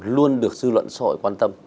luôn được dư luận xã hội quan tâm